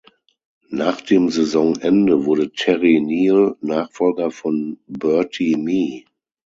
Nach dem Saisonende wurde Terry Neill Nachfolger von Bertie Mee.